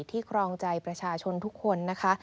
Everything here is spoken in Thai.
ครองใจประชาชนทุกคนนะคะ